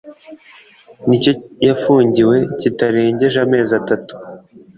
n icyo yafungiwe kitarengeje amezi atatu